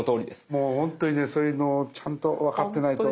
もう本当にねそういうのをちゃんと分かってないと。